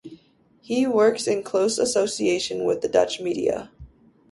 He works in close association with the Dutch media.